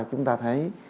chúng ta thấy